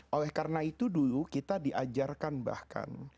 oleh karena itu dulu kita diajarkan bahkan